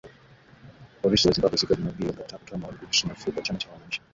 Polisi wa Zimbabwe siku ya Jumapili walikataa kutoa maoni kuhusu marufuku kwa chama cha wananchi